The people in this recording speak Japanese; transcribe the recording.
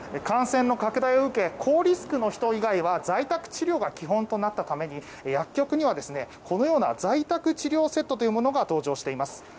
感染の拡大を受け高リスクの人以外は在宅治療が基本となったために薬局にはこのような在宅治療セットというものが登場しています。